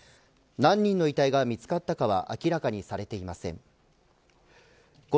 何人の遺体が見つかったかは明らかにされていません。